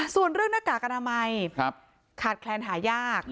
ส่วนเรื่องหน้ากากอนามัยขาดแคลนหายาก